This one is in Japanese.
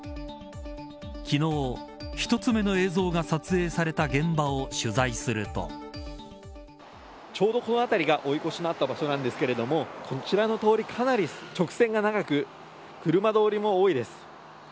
昨日、１つ目の映像が撮影された現場を取材するとちょうどこの辺りが追い越しのあった場所なんですけれどもこちらの通りかなり直線が長く車通りも多いです。